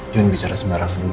jun bicara sembarang dulu